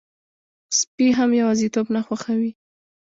سپي هم یواځيتوب نه خوښوي.